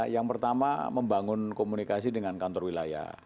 yang pertama membangun komunikasi dengan kantor wilayah